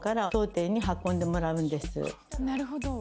なるほど。